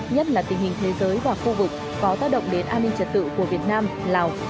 nhất là tình hình thế giới và khu vực có tác động đến an ninh trật tự của việt nam lào